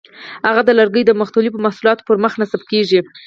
هغه د لرګیو د مختلفو محصولاتو پر مخ نصب کېږي.